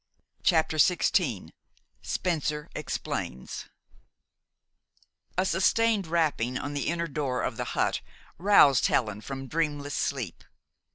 CHAPTER XVI SPENCER EXPLAINS A sustained rapping on the inner door of the hut roused Helen from dreamless sleep.